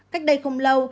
cách đây không lâu